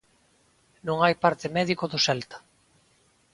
Non hai parte médico do Celta.